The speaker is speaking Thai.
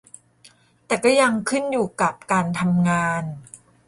แต่ก็ยังขึ้นอยู่กับการทำงาน